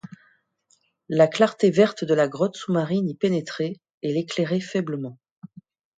La clarté verte de la grotte sous-marine y pénétrait, et l’éclairait faiblement.